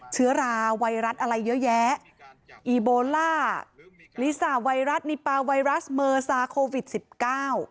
เชื้อราไวรัสอะไรเยอะแยะอีโบล่าลิซ่าไวรัสนิปาไวรัสเมอร์ซาโควิดสิบเก้า